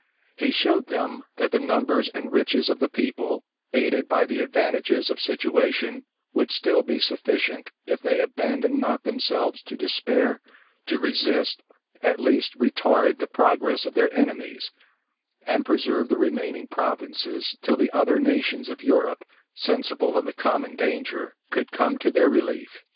He showed them, that the numbers and riches of the people, aided by the advantages of situation, would still be sufficient, if they abandoned not themselves to despair, to resist, at least retard, the progress of their enemies, and preserve the remaining provinces, till the other nations of Europe, sensible of the common danger, could come to their relief.